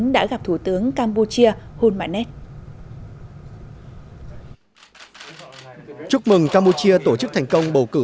đã gặp thủ tướng campuchia hun manet chúc mừng campuchia tổ chức thành công bầu cử